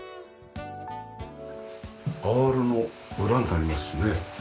アールの裏になりますね。